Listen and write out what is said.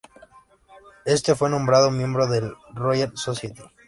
Éste fue nombrado miembro de la Royal Society.